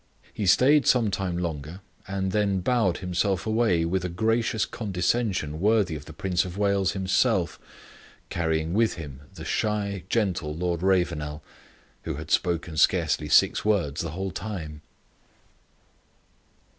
He stayed some time longer, and then bowed himself away with a gracious condescension worthy of the Prince of Wales himself, carrying with him the shy, gentle Lord Ravenel, who had spoken scarcely six words the whole time.